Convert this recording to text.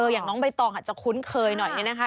อย่างน้องใบตองอาจจะคุ้นเคยหน่อยเนี่ยนะคะ